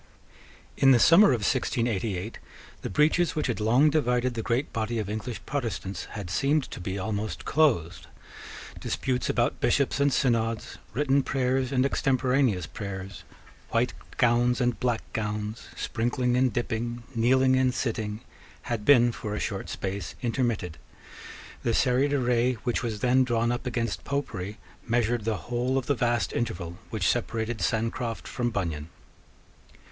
In the summer of 1688 the breaches which had long divided the great body of English Protestants had seemed to be almost closed. Disputes about Bishops and Synods, written prayers and extemporaneous prayers, white gowns and black gowns, sprinkling and dipping, kneeling and sitting, had been for a short space intermitted. The serried array which was then drawn up against Popery measured the whole of the vast interval which separated Sancroft from Bunyan.